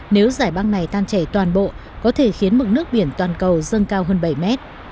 nếu giải băng này tan chảy toàn bộ có thể khiến mực nước biển toàn cầu dâng cao hơn bảy mét